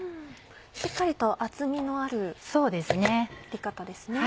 しっかりと厚みのある切り方ですね。